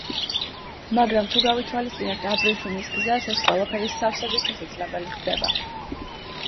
მაგრამ თუ გავითვალისწინებთ აბრეშუმის გზას ეს ყველაფერი სავსებით შესაძლებელი ხდება.